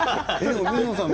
水野さん